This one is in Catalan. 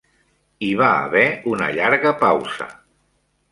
Hi va haver una llarga pausa.